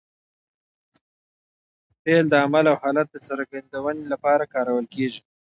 فعل د عمل او حالت د څرګندوني له پاره کارول کېږي.